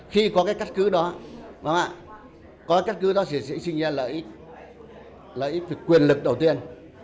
khi có cái cắt cứ đó có cái cắt cứ đó sẽ sinh ra lợi ích lợi ích quyền lực đầu tiên